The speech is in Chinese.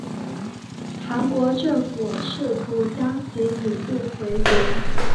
韩国政府试图将其引渡回国。